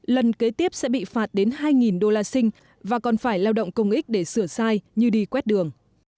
lần kế tiếp sẽ bị phạt đến hai đô la sinh và còn phải lao động công ích để sửa sai như đi quét đường